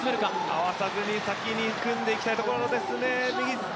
合わせずに先に組んでいきたいところですね。